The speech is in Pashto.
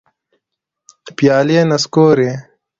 پیالي نسکوري